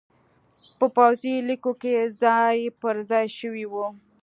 په پوځي لیکو کې ځای پرځای شوي وو